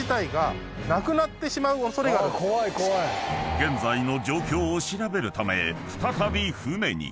［現在の状況を調べるため再び船に］